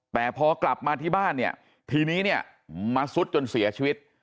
แต่พอกลับมาที่บ้านเนี่ยทีนี้เนี่ยมาซุดจนเสียชีวิต